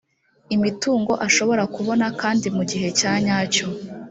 imitungo ashobora kubona kandi mu gihe cyanyacyo